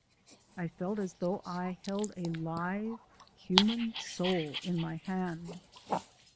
I felt as though I held a live human soul in my hand.